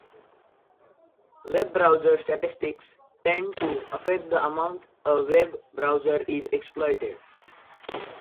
Web browser statistics tend to affect the amount a Web browser is exploited.